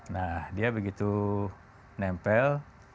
nah dia begitu nempel